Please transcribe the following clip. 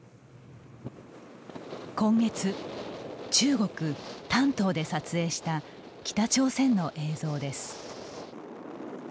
今月、中国・丹東で撮影した北朝鮮の映像です。